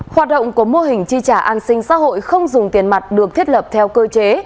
hoạt động của mô hình chi trả an sinh xã hội không dùng tiền mặt được thiết lập theo cơ chế